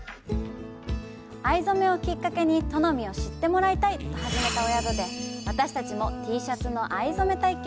藍染をきっかけに富海を知ってもらいたい！と始めたお宿で、私たちもＴシャツの藍染体験！